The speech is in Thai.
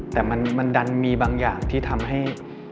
แต่มันดันมีบางอย่างที่ทำให้